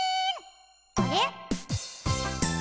あれ？